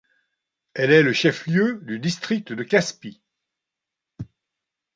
Elle est le chef-lieu du district de Kaspi.